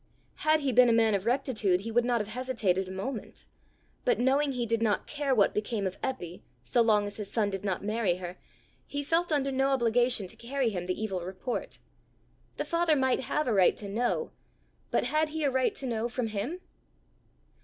Had he been a man of rectitude, he would not have hesitated a moment; but knowing he did not care what became of Eppy, so long as his son did not marry her, he felt under no obligation to carry him the evil report. The father might have a right to know, but had he a right to know from him?